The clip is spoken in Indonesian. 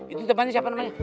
itu temannya siapa namanya